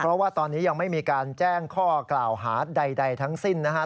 เพราะว่าตอนนี้ยังไม่มีการแจ้งข้อกล่าวหาใดทั้งสิ้นนะครับ